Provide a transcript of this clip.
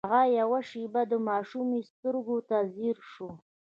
هغه يوه شېبه د ماشومې سترګو ته ځير شو.